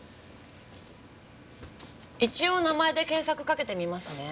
一応名前で検索かけてみますね。